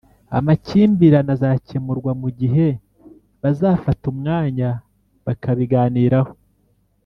Amakimbirane azakemurwa mugihe bazafata umwanya bakabiganiraho